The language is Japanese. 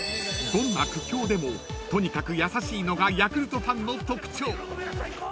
［どんな苦境でもとにかく優しいのがヤクルトファンの特徴］